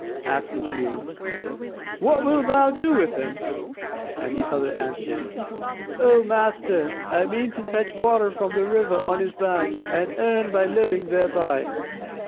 Asked the Jew, "What wilt thou do with him?"; and the other answered, "O master, I mean to fetch water from the river on his back, and earn my living thereby."